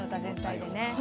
全体でね。